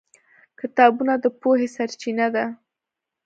کتابونه د پوهې سرچینه ده.